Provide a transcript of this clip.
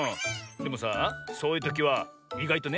でもさあそういうときはいがいとね